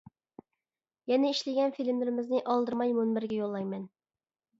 يەنە ئىشلىگەن فىلىملىرىمىزنى ئالدىرىماي مۇنبەرگە يوللايمەن.